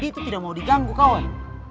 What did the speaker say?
itu tidak mau diganggu kawan